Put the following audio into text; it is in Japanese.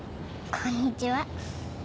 こんにちは。